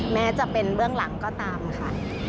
แม้จะเป็นเบื้องหลังก็ตามค่ะ